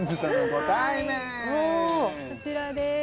こちらです！